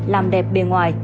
làm đẹp bề ngoài